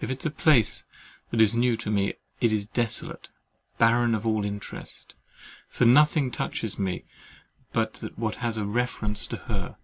If it is a place that is new to me, it is desolate, barren of all interest; for nothing touches me but what has a reference to her.